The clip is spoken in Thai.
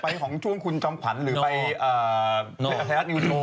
ไปของช่วงคุณจำขวัญหรือทะเลฮรัตนิ้วโท